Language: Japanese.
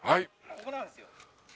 ここなんですよ。